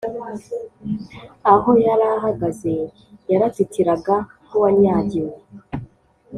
aho yarahagaze yaratitiraga nkuwanyagiwe.